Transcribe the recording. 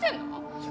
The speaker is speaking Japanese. いや。